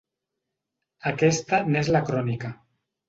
Aquesta n’és la crònica.